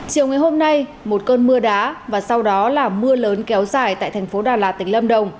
chiều ngày hôm nay một cơn mưa đá và sau đó là mưa lớn kéo dài tại thành phố đà lạt tỉnh lâm đồng